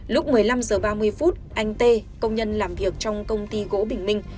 lúc một mươi năm h ba mươi phút anh tê công nhân làm việc trong công ty gỗ bình minh